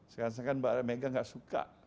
sekan sekan mbak mega tidak suka